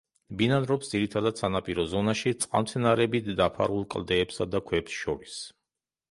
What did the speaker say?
ბინადრობს ძირითადად სანაპირო ზონაში წყალმცენარეებით დაფარულ კლდეებსა და ქვებს შორის.